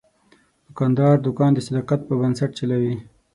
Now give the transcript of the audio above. دوکاندار دوکان د صداقت په بنسټ چلوي.